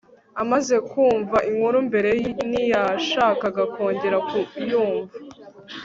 amaze kumva inkuru mbere, ntiyashakaga kongera kuyumva